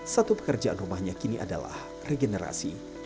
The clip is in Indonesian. satu pekerjaan rumahnya kini adalah regenerasi